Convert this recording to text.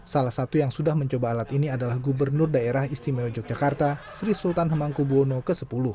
salah satu yang sudah mencoba alat ini adalah gubernur daerah istimewa yogyakarta sri sultan hemangkubwono x